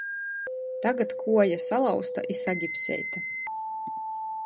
Tagad kuoja salauzta i sagipseita...